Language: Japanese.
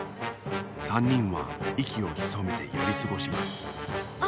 ３にんはいきをひそめてやりすごしますあっ